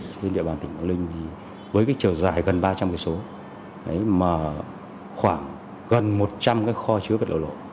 trên địa bàn tỉnh quảng ninh với trời dài gần ba trăm linh km khoảng gần một trăm linh kho chứa vật lộ lộ